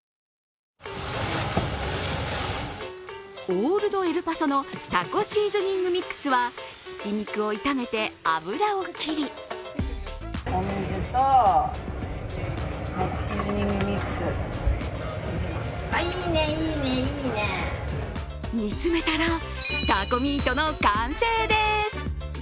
オールドエルパソのタコシーズニングミックスはひき肉を炒めて、油を切り煮詰めたらタコミートの完成です。